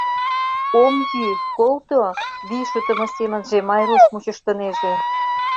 — Ом йӱ, колто, — вий шутымо семынже Майруш мучыштынеже.